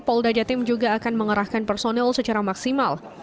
polda jawa timur juga akan mengarahkan personil secara maksimal